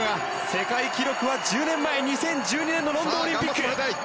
世界記録は１０年前２０１２年のロンドンオリンピック。